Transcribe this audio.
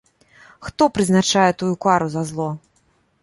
І хто прызначае тую кару за зло?